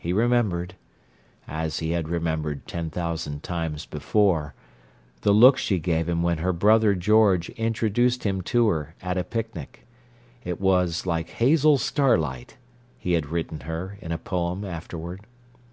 He remembered—as he had remembered ten thousand times before—the look she gave him when her brother George introduced him to her at a picnic; it was "like hazel starlight" he had written her, in a poem, afterward.